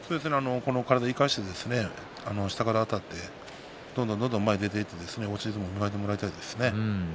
体を生かして下からあたってどんどん前に出て、押し相撲を磨いてもらいたいですね。